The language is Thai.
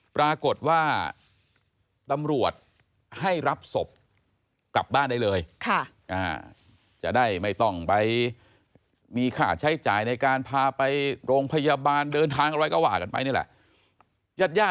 ปรากฏว่าตำรวจให้รับศพกลับบ้านได้เลย